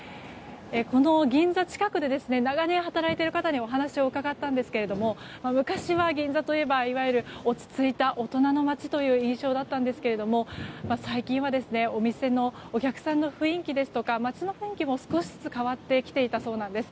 この銀座近くで長年働いている方にお話を伺ったんですが昔は銀座といえば、いわゆる落ち着いた大人の街という印象だったんですが最近はお店のお客さんの雰囲気や街の雰囲気も、少しずつ変わってきていたそうなんです。